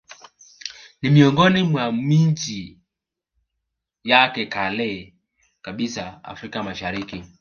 Ni miongoni mwa miji ya kale kabisa Afrika Mashariki